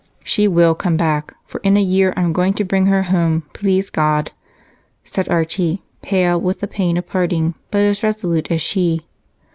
"She will come back, for in a year I'm going to bring her home, please God," said Archie, pale with the pain of parting but as resolute as she.